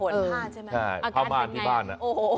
ผนภาดใช่ไหมไหมอาจารย์เป็นไงโอโฮ